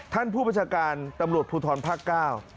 ท่านผู้ประชาการตำรวจภูทรภาคเก้า